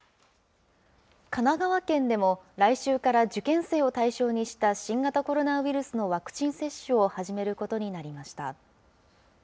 神奈川県でも、来週から受験生を対象にした新型コロナウイルスのワクチン接種を始めることになりました。